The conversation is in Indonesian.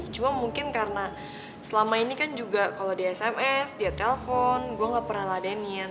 cuma mungkin karena selama ini kan juga kalau di sms dia telpon gue gak pernah ladenin